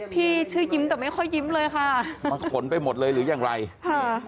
พี่ชื่อยิ้มแต่ไม่ค่อยยิ้มเลยค่ะมาขนไปหมดเลยหรือยังไรค่ะ